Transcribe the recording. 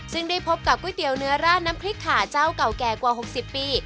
ซึ่งได้พบกับก๋วยเตี๋ยวเนื้อราดน้ำพริกขาเจ้าเก่าแก่กว่า๖๐ปี